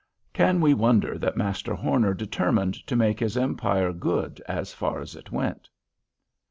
Can we wonder that Master Horner determined to make his empire good as far as it went?